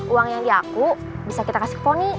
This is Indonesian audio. uang yang diaku bisa kita kasih ke poni